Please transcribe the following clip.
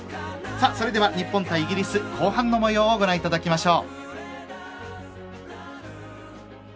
それでは日本対イギリス後半の模様をご覧いただきましょう。